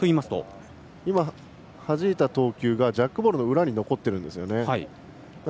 今、はじいた投球がジャックボールの裏に残っているんですね。